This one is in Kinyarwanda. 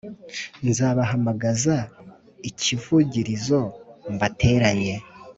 Nzabahamagaza ikivugirizo mbateranye